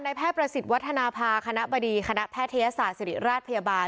แพทย์ประสิทธิ์วัฒนภาคณะบดีคณะแพทยศาสตร์ศิริราชพยาบาล